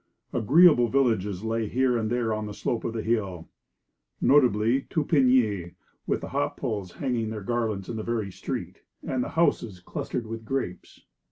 Agreeable villages lay here and there on the slope of the hill; notably, Tupigny, with the hop poles hanging their garlands in the very street, and the houses clustered with grapes.